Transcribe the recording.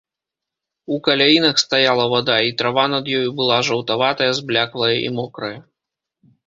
У каляінах стаяла вада, і трава над ёю была жаўтаватая, збляклая і мокрая.